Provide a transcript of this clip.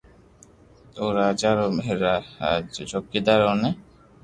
او راجا رو مھل را چوڪيدار اوني